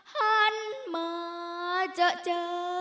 หันมาเจอ